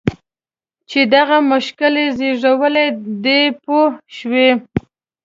چې دغه مشکل یې زېږولی دی پوه شوې!.